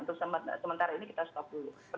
untuk sementara ini kita stop dulu